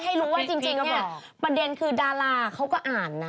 ให้รู้ว่าจริงเนี่ยประเด็นคือดาราเขาก็อ่านนะ